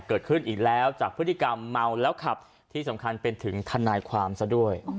เกิดขึ้นอีกแล้วจากพฤติกรรมเมาแล้วขับที่สำคัญเป็นถึงทนายความซะด้วย